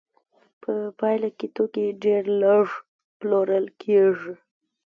په پایله کې توکي ډېر لږ پلورل کېږي